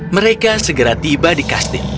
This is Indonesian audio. mereka segera tiba di kastil